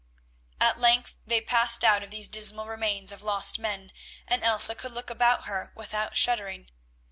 At length they passed out of these dismal remains of lost men, and Elsa could look about her without shuddering.